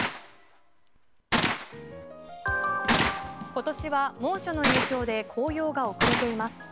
今年は猛暑の影響で紅葉が遅れています。